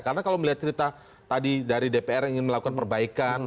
karena kalau melihat cerita tadi dari dpr yang ingin melakukan perbaikan